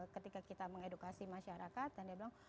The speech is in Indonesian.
ketika kita mengedukasi masyarakat dan dia bilang